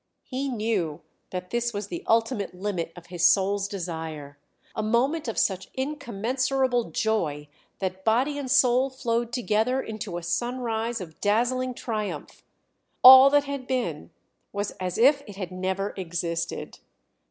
He knew that this was the ultimate limit of his soul's desire, a moment of such incommensurable joy, that body and soul flowed together into a sunrise of dazzling triumph. All that had been, was as if it had never existed.